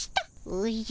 おじゃ。